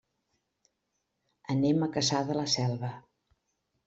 Anem a Cassà de la Selva.